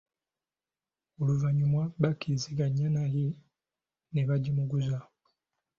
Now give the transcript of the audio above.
Oluvannyuma bakkirizaganya naye, ne bagimuguza.